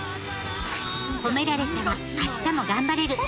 褒められたら明日も頑張れる。